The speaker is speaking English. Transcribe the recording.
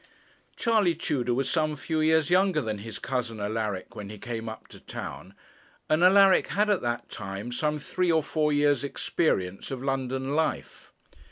Charley Tudor was some few years younger than his cousin Alaric when he came up to town, and Alaric had at that time some three or four years' experience of London life.